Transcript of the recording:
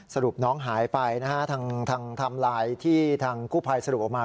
สรุปน้องหายไปนะฮะทางไทม์ไลน์ที่ทางกู้ภัยสรุปออกมา